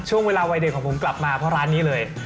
วัยเด็กของผมกลับมาเพราะร้านนี้เลย